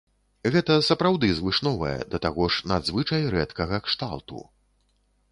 Гэта сапраўды звышновая, да таго ж надзвычай рэдкага кшталту.